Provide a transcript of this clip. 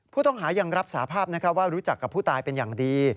ผู้ต้องหายังรับสาภาพว่ารู้จักกับผู้ตายเป็นอย่างดี